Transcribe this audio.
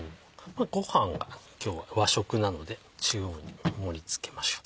ご飯が今日は和食なので中央に盛り付けましょう。